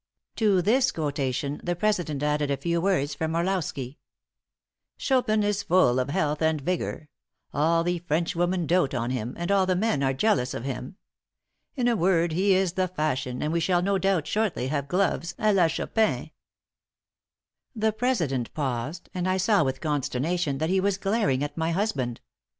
'" To this quotation, the president added a few words from Orlowski: "'Chopin is full of health and vigor; all the Frenchwomen dote on him, and all the men are jealous of him. In a word, he is the fashion, and we shall no doubt shortly have gloves à la Chopin.'" The president paused, and I saw with consternation that he was glaring at my husband.